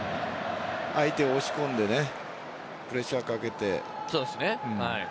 相手を押し込んでねプレッシャーをかけて。